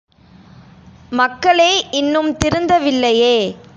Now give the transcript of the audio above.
மக்களே இன்னும் திருந்த வில்லையே!